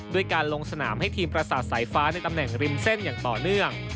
ด้วยการลงสนามให้ทีมประสาทสายฟ้าในตำแหน่งริมเส้นอย่างต่อเนื่อง